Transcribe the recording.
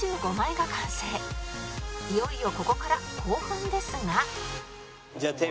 いよいよここから後半ですが